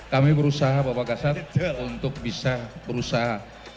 kami berusaha bapak kasat untuk bisa berusaha